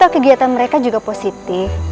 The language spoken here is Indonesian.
kegiatan mereka juga positif